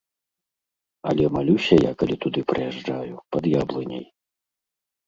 Але малюся я, калі туды прыязджаю, пад яблыняй.